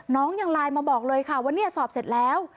น้องยังไลน์มาบอกเลยว่าสอบเสร็จแล้ว